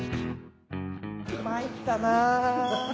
まいったな。